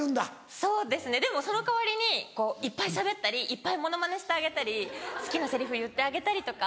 そうですねでもその代わりにいっぱいしゃべったりいっぱいモノマネしてあげたり好きなセリフ言ってあげたりとか。